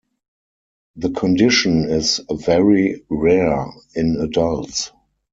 The condition is very rare in adults.